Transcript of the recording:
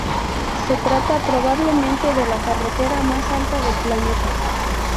Se trata, probablemente, de la carretera más alta del planeta.